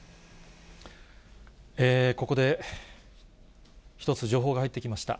ここで、１つ情報が入ってきました。